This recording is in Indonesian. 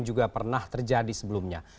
juga pernah terjadi sebelumnya